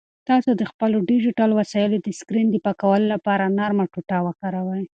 تاسو د خپلو ډیجیټل وسایلو د سکرین د پاکولو لپاره نرمه ټوټه وکاروئ.